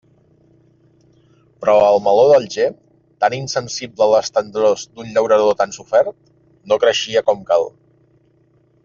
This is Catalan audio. Però el meló d'Alger, tan insensible a les tendrors d'un llaurador tan sofert, no creixia com cal.